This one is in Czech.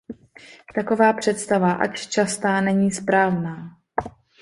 Taková představa ač častá není správná.